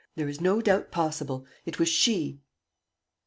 There is no doubt possible. It was she.